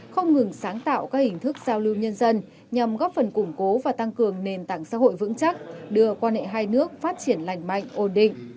không ngừng sáng tạo các hình thức giao lưu nhân dân nhằm góp phần củng cố và tăng cường nền tảng xã hội vững chắc đưa quan hệ hai nước phát triển lành mạnh ổn định